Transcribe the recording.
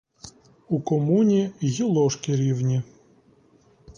У комуні й ложки рівні.